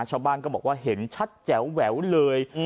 ชาวบ้านก็บอกว่าเห็นชัดแจ๋วแหววเลย